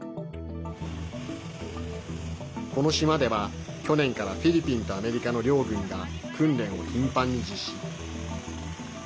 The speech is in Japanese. この島では、去年からフィリピンとアメリカの両軍が訓練を頻繁に実施。